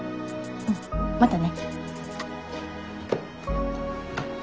うんまたね。